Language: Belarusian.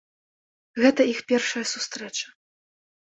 Гэта іх першая сустрэча.